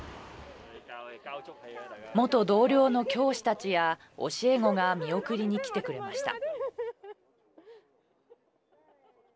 元同僚の教師たちや教え子が見送りに来てくれました。